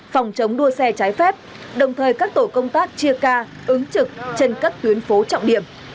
phòng chống đua xe trái phép đồng thời các tổ công tác chia ca ứng trực trên các tuyến phố trọng điểm